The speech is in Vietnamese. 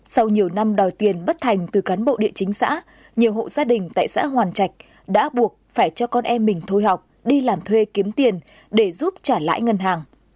sau nhiều năm đòi tiền bất thành từ cán bộ địa chính xã nhiều hộ gia đình tại xã hoàn trạch đã buộc phải cho con em mình thôi học đi làm thuê kiếm tiền để giúp trả lãi ngân hàng